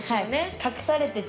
隠されてて。